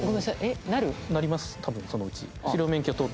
多分そのうち。